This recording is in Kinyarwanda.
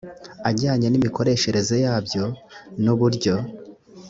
ajyanye n imikoreshereze yabyo n uburyo